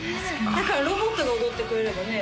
だからロボットが踊ってくれればね